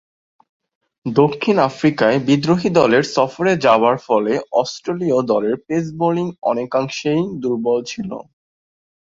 দক্ষিণ আফ্রিকায় বিদ্রোহী দলের সফরে যাবার ফলে অস্ট্রেলীয় দলের পেস বোলিং অনেকাংশেই দূর্বল ছিল।